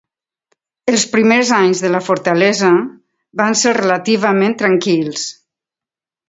Els primers anys de la fortalesa van ser relativament tranquils.